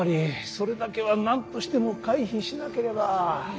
それだけはなんとしても回避しなければ。